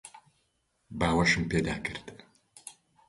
باوەشم پێدا کرد.